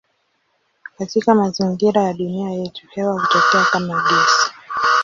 Katika mazingira ya dunia yetu hewa hutokea kama gesi.